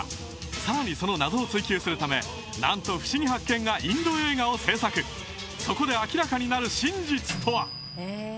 さらにその謎を追求するため何と「ふしぎ発見！」がインド映画を制作そこで明らかになる真実とは？